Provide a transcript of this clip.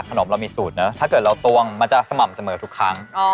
เรามีสูตรเนอะถ้าเกิดเราตวงมันจะสม่ำเสมอทุกครั้ง